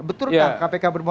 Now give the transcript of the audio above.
betul kan kpk bermotif politik